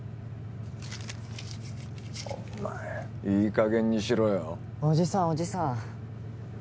お前いい加減にしろよおじさんおじさん